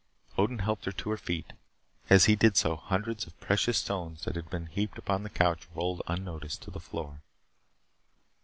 Odin helped her to her feet. As he did so, hundreds of precious stones that had been heaped upon the couch rolled unnoticed to the floor.